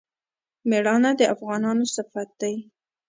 میړانه د افغانانو صفت دی.